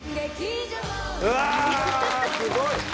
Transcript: うわすごい！